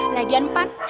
lagi yang empat